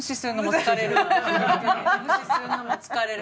無視するのも疲れる。